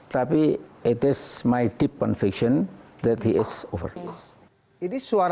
tapi itu pengertian saya yang dia sudah selesai